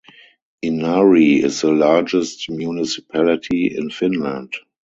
Inari is the largest municipality in Finland.